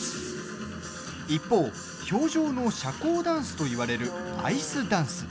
一方、氷上の社交ダンスといわれるアイスダンス。